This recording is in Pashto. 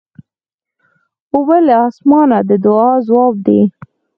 اوبه له اسمانه د دعا ځواب دی.